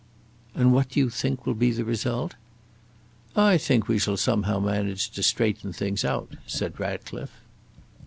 "And what do you think will be the result?" "I think we shall somehow manage to straighten things out," said Ratcliffe.